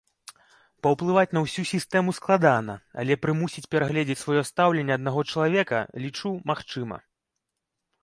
Паўплываць на ўсю сістэму складана, але прымусіць перагледзець сваё стаўленне аднаго чалавека, лічу, магчыма.